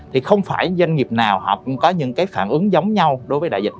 thì không phải doanh nghiệp nào họ cũng có những cái phản ứng giống nhau đối với đại dịch